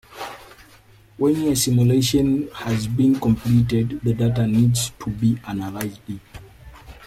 When a simulation has been completed, the data needs to be analysed.